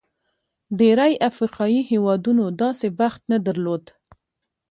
ډېری افریقايي هېوادونو داسې بخت نه درلود.